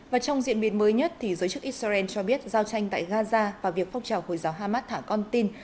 và trong diện biệt mới nhất thì giới chức israel cho biết giao tranh tại gaza và việc phong trào hồi giáo hamas thả con tin